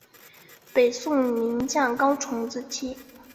北宋名将高琼之妻。